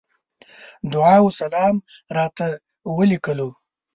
دعا وسلام راته وليکلو.